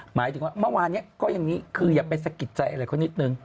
หมายถึงว่าเมื่อวานนี้ก็อย่างนี้คืออย่าไปสะกิดใจอะไรเขานิดนึง